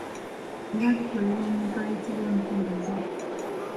Era gukolebwa omuntu ayitibwa omukomazi.